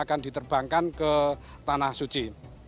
akan diterbangkan ke tanah suci